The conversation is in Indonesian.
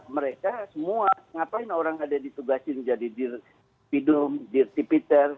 mereka semua ngapain orang ada ditugasin jadi dir bidung dir tipiter